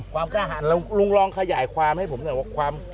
ความกล้าอาหารแล้วลุงลองขยายความให้ผมนะว่าความ